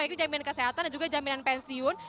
yaitu jaminan kesehatan dan juga jaminan pensiun